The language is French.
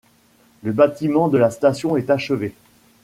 Le bâtiment de la station est achevé.